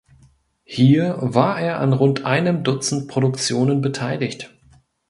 Hier war er an rund einem Dutzend Produktionen beteiligt.